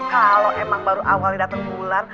kalau emang baru awalnya datang bulan